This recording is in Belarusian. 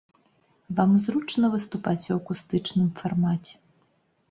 Вам зручна выступаць у акустычным фармаце?